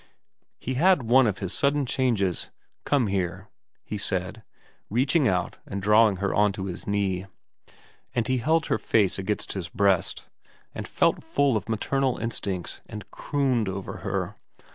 He had one of his sudden changes. * Come here,* he said, reaching out and drawing her on to his knee ; and he held her face against his breast, and felt full of maternal instincts, and crooned over her.